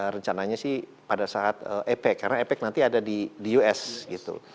rencananya sih pada saat epek karena epec nanti ada di us gitu